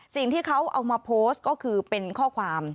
สิ่งที่เขาเอามาโพสต์ก็คือเป็นข้อความ